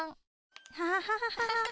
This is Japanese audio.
アハハハハ。